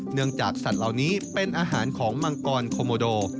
จากสัตว์เหล่านี้เป็นอาหารของมังกรโคโมโด